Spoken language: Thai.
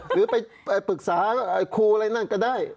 หรือไปปรึกษาครูอะไรนั่นก็ได้